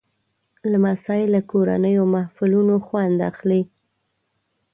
لمسی له کورنیو محفلونو خوند اخلي.